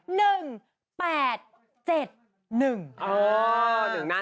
อ๋อหนึ่งหน้าหนึ่งหลังนะ